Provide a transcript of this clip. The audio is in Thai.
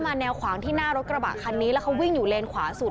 แนวขวางที่หน้ารถกระบะคันนี้แล้วเขาวิ่งอยู่เลนขวาสุด